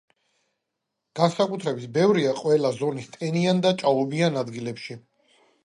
განსაკუთრებით ბევრია ყველა ზონის ტენიან და ჭაობიან ადგილებში.